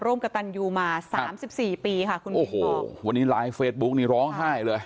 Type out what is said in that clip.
กระตันยูมาสามสิบสี่ปีค่ะคุณโอ้โหวันนี้ไลฟ์เฟซบุ๊กนี่ร้องไห้เลย